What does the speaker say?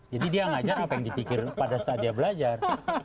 jadi dia ngajar apa yang dipikir pada saat dia belajar